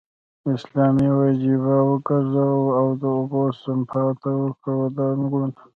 اسلامي وجیبه وګرځو او د اوبو سپما ته ور ودانګو.